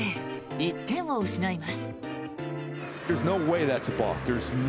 １点を失います。